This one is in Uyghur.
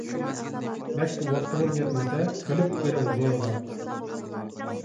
بەك ۋاقتىڭىز يەتمىسە، كۈلۈپ بىرىڭ زورىغا.